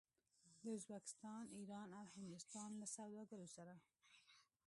د ازبکستان، ایران او هندوستان له سوداګرو سره